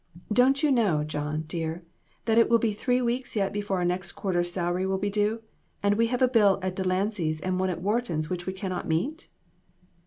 Don't you know, John, dear, that it will be three weeks yet before our next quarter's salary will be due, and we have a bill at Delancy's and one at Wharton's which we cannot meet